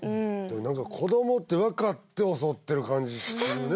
何か子どもって分かって襲ってる感じするね